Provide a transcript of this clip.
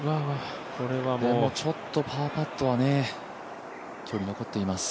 でもちょっとパーパットは距離残っています。